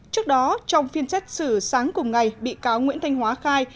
trước đó trong phiên xét xử sáng cùng ngày bị cáo nguyễn thanh hóa khai